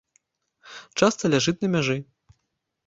Часта ляжыць на мяжы.